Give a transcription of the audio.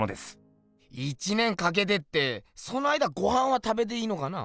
１年かけてってその間ごはんは食べていいのかな？